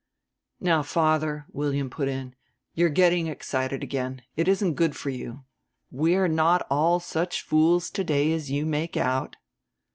"Now, father," William put in, "you are getting excited again. It isn't good for you. We are not all such fools to day as you make out."